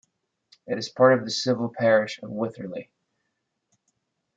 It is part of the civil parish of Witherley.